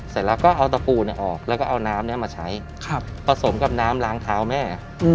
เสร็จแล้วก็เอาตะปูออกแล้วก็เอาน้ำนี้มาใช้ผสมกับน้ำล้างเท้าแม่